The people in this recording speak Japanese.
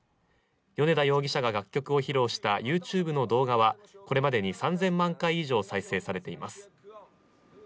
米田容疑者が楽曲を披露したＹｏｕＴｕｂｅの動画はこれまでに３０００万回以上再生されています。